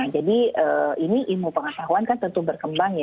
jadi ini ilmu pengetahuan kan tentu berkembang ya